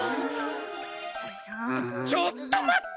ちょっと待った！